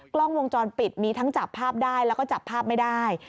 กล้องวงจรปิดมีทั้งจับภาพได้แล้วก็จับภาพไม่ได้